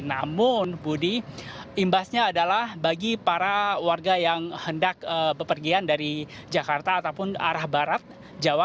namun budi imbasnya adalah bagi para warga yang hendak bepergian dari jakarta ataupun arah barat jawa